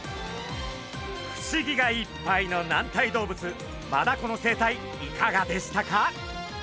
不思議がいっぱいの軟体動物マダコの生態いかがでしたか？